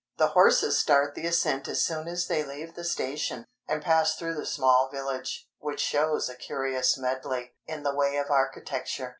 The horses start the ascent as soon as they leave the station, and pass through the small village, which shows a curious medley in the way of architecture.